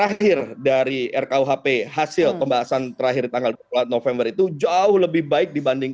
concern dari masyarakat sipil yang memangque ber translates from eastern gentleman that hasil seperti ini